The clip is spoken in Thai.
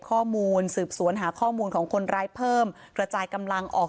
ข้อมูลสืบสวนหาข้อมูลของคนร้ายเพิ่มกระจายกำลังออก